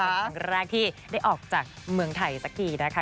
เป็นครั้งแรกที่ได้ออกจากเมืองไทยสักทีนะคะ